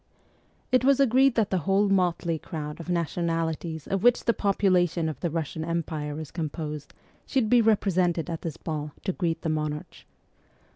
It was agreed that the whole motley crowd of nationalities of which the population of the Russian Empire is composed should be represented at this ball to greet the monarch.